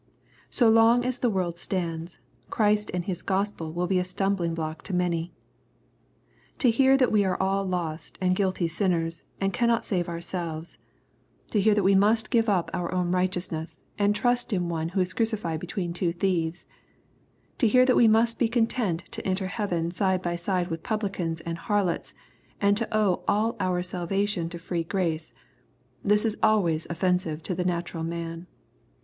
So long as the world stands, Christ and His Gospel will be a stumbling block to many. To hear that we are all lost and guilty sinners, and cannot save ourselves, — to hear that we must give 10 218 EXPOSITORY THOUGHTS. np our own righteousness, and trust in One who was crucified between two thieves, — to hear that we must be content to enter heaven side by side with publicans and harlots, and to owe all our salvation to free grace, — this is always offensive to the natural man.